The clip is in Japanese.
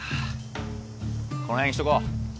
この辺にしとこう